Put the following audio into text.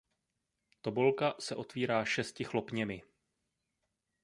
Tobolka se otvírá šesti chlopněmi.